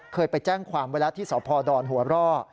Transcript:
เคยไปแจ้งความวิรัติที่สดหัวร่อ